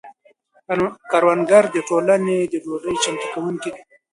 کروندګر د ټولنې د ډوډۍ چمتو کونکي دي.